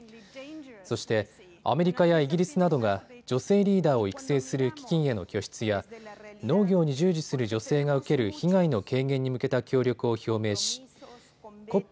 そしてアメリカやイギリスなどが女性リーダーを育成する基金への拠出や農業に従事する女性が受ける被害の軽減に向けた協力を表明しＣＯＰ